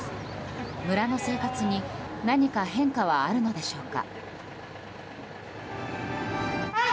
村の生活に何か変化はあるのでしょうか。